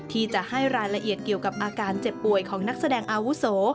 ที่จะให้รายละเอียดเกี่ยวกับอาการเจ็บป่วยของนักแสดงอาวุโส